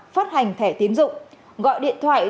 phát hành thẻ tiến dụng gọi điện thoại